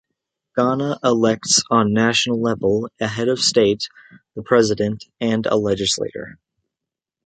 Ghana elects on national level a head of state, the president, and a legislature.